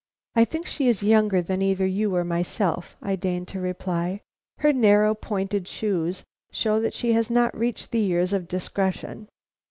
"I think she is younger than either you or myself," I deigned to reply. "Her narrow pointed shoes show she has not reached the years of discretion."